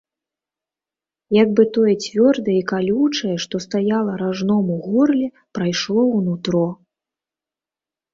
Як бы тое цвёрдае і калючае, што стаяла ражном у горле, прайшло ў нутро.